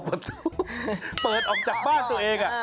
ค้อประตูเปิดออกจากบ้านตัวเอง